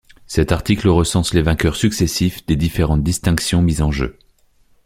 Cet article recense les vainqueurs successifs des différentes distinctions mises en jeu.